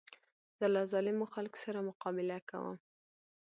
زه له ظالمو خلکو سره مقابله کوم.